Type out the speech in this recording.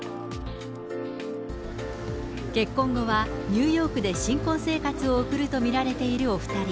結婚後は、ニューヨークで新婚生活を送ると見られるお２人。